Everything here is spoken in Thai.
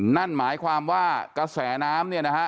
นั่นหมายความว่ากระแสน้ำเนี่ยนะฮะ